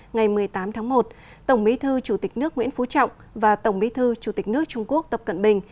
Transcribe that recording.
ngày một mươi tám tháng một tổng bí thư chủ tịch nước nguyễn phú trọng và tổng bí thư chủ tịch nước trung quốc tập cận bình